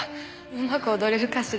うまく踊れるかしら？